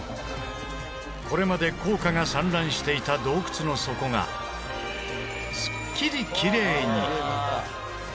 これまで硬貨が散乱していた洞窟の底がすっきりきれいに。